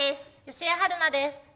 吉江晴菜です。